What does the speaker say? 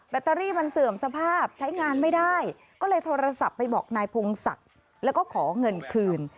เตอรี่มันเสื่อมสภาพใช้งานไม่ได้ก็เลยโทรศัพท์ไปบอกนายพงศักดิ์แล้วก็ขอเงินคืน